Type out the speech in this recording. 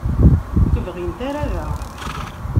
Ur k-bɣint ara da.